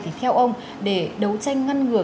thì theo ông để đấu tranh ngăn ngừa